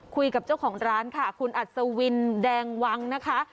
คุยกับเจ้าของร้านค่ะคุณอัศวินแดงวังนะคะ